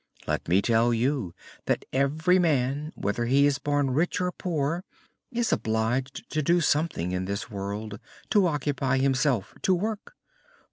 Let me tell you that every man, whether he is born rich or poor, is obliged to do something in this world to occupy himself, to work.